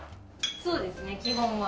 そうですね基本は。